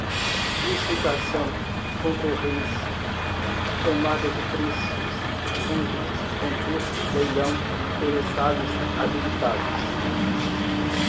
licitação, concorrência, tomada de preços, convite, concurso, leilão, interessados, habilitados